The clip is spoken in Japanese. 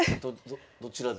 どどちら？